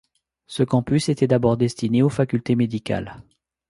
Ce campus était d'abord destiné aux facultés médicales.